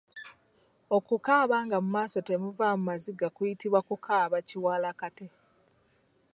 Okukaaba nga mu maaso temuva maziga kuyitibwa kukaaba Kiwalakate.